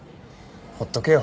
ほっとけよ。